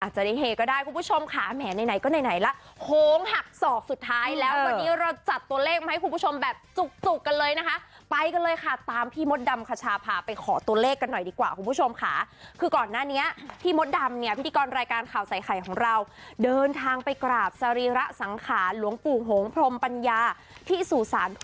จะได้เฮก็ได้คุณผู้ชมค่ะแหมไหนไหนก็ไหนล่ะโหงหักศอกสุดท้ายแล้ววันนี้เราจัดตัวเลขมาให้คุณผู้ชมแบบจุกจุกกันเลยนะคะไปกันเลยค่ะตามพี่มดดำคชาพาไปขอตัวเลขกันหน่อยดีกว่าคุณผู้ชมค่ะคือก่อนหน้านี้พี่มดดำเนี่ยพิธีกรรายการข่าวใส่ไข่ของเราเดินทางไปกราบสรีระสังขารหลวงปู่โหงพรมปัญญาที่สู่สาร